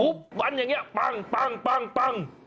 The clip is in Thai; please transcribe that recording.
ทุบมันอย่างนี้ปัง